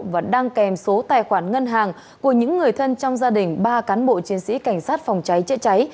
và đang kèm số tài khoản ngân hàng của những người thân trong gia đình ba cán bộ chiến sĩ cảnh sát phòng cháy chữa cháy